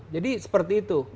jadi seperti itu